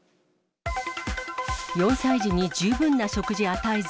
４歳児に十分な食事与えず。